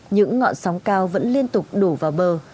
những ngọn sóng cao vẫn liên tục đổ vào bờ